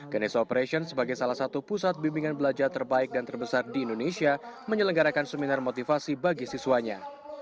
ganesha operation sebagai salah satu pusat bimbingan belajar terbaik dan terbesar di indonesia menyelenggarakan seminar motivasi bagi siswanya